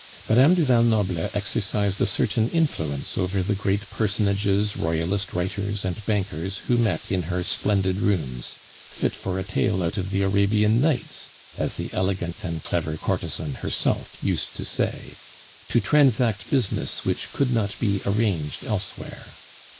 Mme. du val Noble exercised a certain influence over the great personages, Royalist writers, and bankers who met in her splendid rooms "fit for a tale out of the Arabian Nights," as the elegant and clever courtesan herself used to say to transact business which could not be arranged elsewhere.